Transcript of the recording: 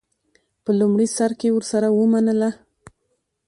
په لومړي سر کې ورسره ومنله.